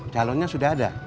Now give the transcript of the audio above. jalurnya sudah ada